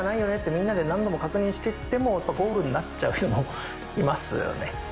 みんなで何度も確認してってもやっぱゴールになっちゃいますよね。